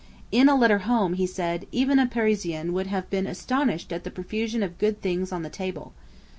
In a letter home he said: 'Even a Parisian would have been astonished at the profusion of good things on the table.